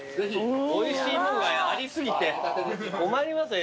おいしい物があり過ぎて困りますね。